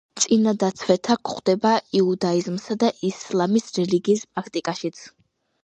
წინადაცვეთა გვხვდება იუდაიზმისა და ისლამის რელიგიის პრაქტიკაშიც.